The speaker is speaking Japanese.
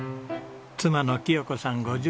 妻の喜代子さん